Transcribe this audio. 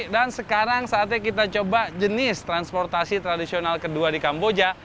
dan sekarang saatnya kita coba jenis transportasi tradisional kedua di kamboja